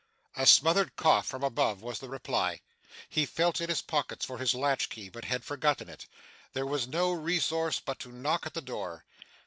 A smothered cough from above, was the reply. He felt in his pockets for his latch key, but had forgotten it. There was no resource but to knock at the door.